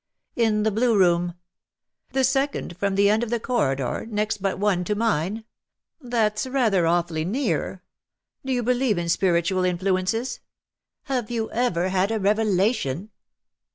^^" In the Blue Room.'' " The second from the end of the corridor^ next but one to mine ; that's rather awfully near. Do you believe in spiritual influences ? Have you ever had a revelation